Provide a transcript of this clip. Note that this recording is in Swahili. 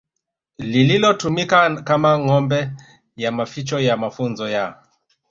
lililotumika kama ngome ya maficho ya mafunzo ya